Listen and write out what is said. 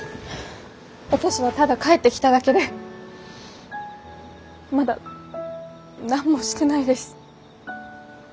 私はただ帰ってきただけでまだ何もしてないです。